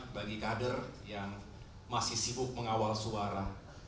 bagi kader yang masih sibuk mengawal suara